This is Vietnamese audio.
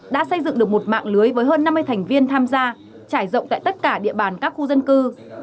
đã xây dựng được một mạng lưới với hơn năm mươi thành viên tham gia trải rộng tại tất cả địa bàn các khu dân cư